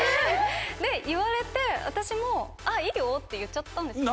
で言われて私も。って言っちゃったんですよ。